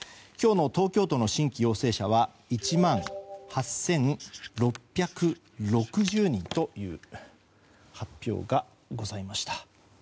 今日の東京都の新規陽性者は１万８６６０人という発表がございました。